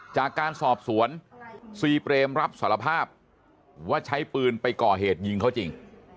จากการสอบสวนซีเปรมรับสารภาพว่าใช้ปืนไปก่อเหตุยิงเขาจริง